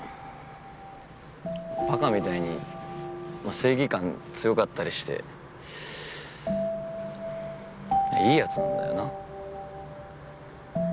ばかみたいに正義感強かったりしていい奴なんだよな。